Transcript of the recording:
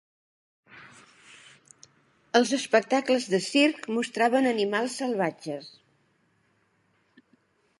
Els espectacles de circ mostraven animals salvatges.